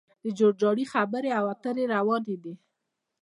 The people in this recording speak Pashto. د جوړجاړي خبرې او اترې روانې دي